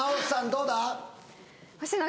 どうだ？